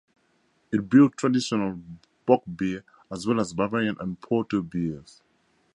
It brewed traditional Bock beer, as well as Bavarian and Porter beers.